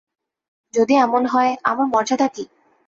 যদি এমন হয়, আমার মর্যাদা কী?